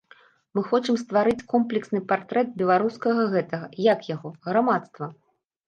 Мы хочам стварыць комплексны партрэт беларускага гэтага, як яго, грамадства.